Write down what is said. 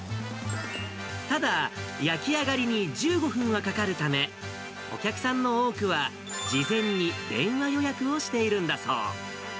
ただ、焼き上がりに１５分はかかるため、お客さんの多くは事前に電話予約をしているんだそう。